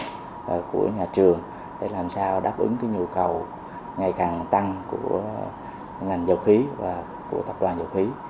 đào tạo của nhà trường để làm sao đáp ứng cái nhu cầu ngày càng tăng của ngành dầu khí và của tập đoàn dầu khí